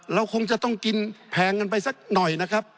เราคงจะต้องกินแพงกันไปสักหน่อยนะครับ